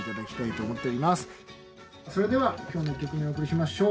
それでは今日の１曲目お送りしましょう。